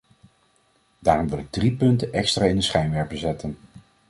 Daarom wil ik drie punten extra in de schijnwerper zetten.